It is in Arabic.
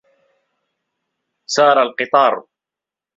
سَارَ الْقِطَارُ.